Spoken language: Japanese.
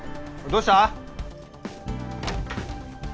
どうした？